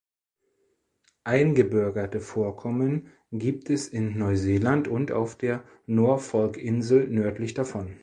Eingebürgerte Vorkommen gibt es in Neuseeland und auf der Norfolkinsel nördlich davon.